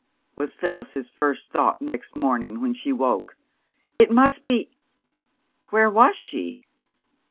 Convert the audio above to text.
was Phyllis's first thought next morning when she woke. "It must be " Where was she?